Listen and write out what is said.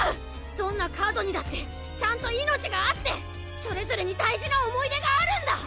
どんなカードにだってちゃんと命があってそれぞれに大事な思い出があるんだ！